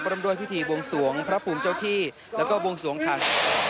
พร้อมโดยพิธีวงศวงศ์พระภูมิเจ้าที่แล้วก็วงศวงศ์ท่าน